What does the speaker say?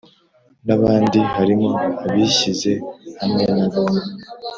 n abandi harimo abishyize hamwe na we